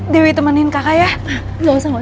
dewi temenin kakak ya